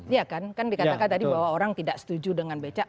iya kan dikatakan tadi bahwa orang tidak setuju dengan becak